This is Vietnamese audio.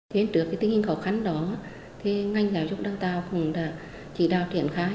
thế trước cái tình hình khó khăn đó ngay nhà giáo dục đào tạo cũng chỉ đào thiện khái